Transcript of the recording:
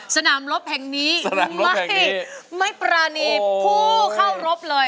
สนามรบแห่งนี้ไม่ปรานีผู้เข้ารบเลย